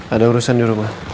ada urusan di rumah